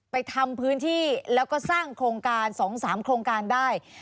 ไปทำพื้นที่แล้วก็สร้างโครงการ๒๓โครงการได้